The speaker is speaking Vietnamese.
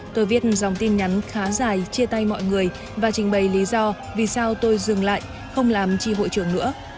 tôi viết dòng tin nhắn khá dài chia tay mọi người và trình bày lý do vì sao tôi dừng lại không làm chi hội trưởng nữa